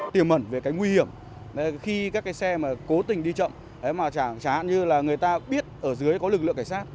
tiềm ẩn về cái nguy hiểm khi các cái xe mà cố tình đi chậm trá hạn như là người ta biết ở dưới có lực lượng cảnh sát